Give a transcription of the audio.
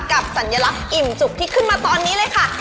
สัญลักษณ์อิ่มจุกที่ขึ้นมาตอนนี้เลยค่ะ